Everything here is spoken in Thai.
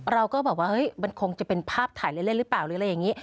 เราก็แบบว่าเฮ้ยมันคงจะเป็นภาพถ่ายเล่นหรือเปล่าหรืออะไรอย่างนี้